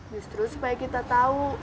justru supaya kita tahu